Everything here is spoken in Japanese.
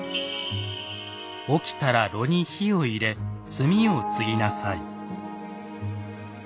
「起きたら炉に火を入れ炭を継ぎなさい」。